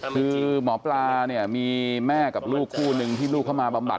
คือหมอปลาเนี่ยมีแม่กับลูกคู่นึงที่ลูกเข้ามาบำบัด